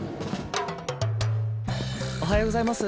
おはようございます。